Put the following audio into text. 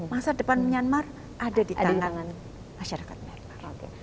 masa depan menyanmar ada di tangan masyarakat menyanmar